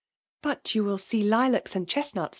But you will see lilacs and chestnuts m